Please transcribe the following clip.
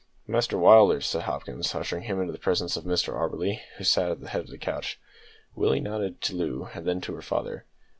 "Master Willders," said Hopkins, ushering him into the presence of Mr Auberly, who still sat at the head of the couch. Willie nodded to Loo and then to her father.